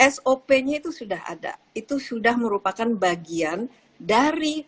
sop nya itu sudah ada itu sudah merupakan bagian dari